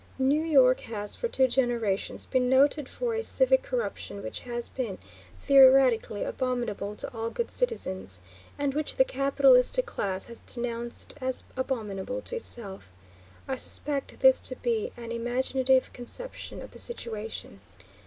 New York has for two generations been noted for a civic corruption which has been, theoretically, abominable to all good citizens, and which the capitalistic class has denounced as abominable to itself. I suspect this to be an imaginative conception of the situation.